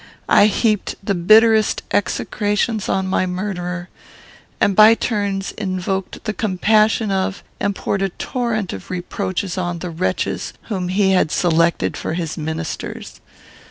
I heaped the bitterest execrations on my murderer; and by turns, invoked the compassion of, and poured a torrent of reproaches on, the wretches whom he had selected for his ministers.